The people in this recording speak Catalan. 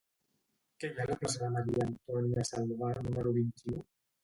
Què hi ha a la plaça de Maria-Antònia Salvà número vint-i-u?